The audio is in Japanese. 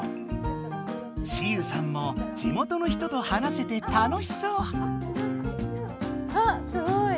ちゆさんも地元の人と話せて楽しそう！